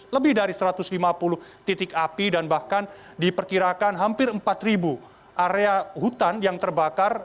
lebih dari satu ratus lima puluh titik api dan bahkan diperkirakan hampir empat area hutan yang terbakar